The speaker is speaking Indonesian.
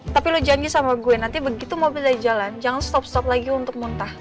tapi lo janji sama gue nanti begitu mobil dari jalan jangan stop stop lagi untuk muntah